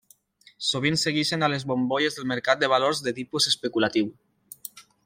Sovint segueixen a les bombolles del mercat de valors de tipus especulatiu.